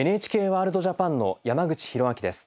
「ＮＨＫワールドＪＡＰＡＮ」の山口寛明です。